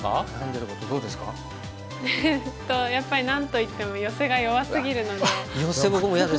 やっぱり何と言ってもヨセが弱すぎるので。